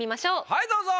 はいどうぞ。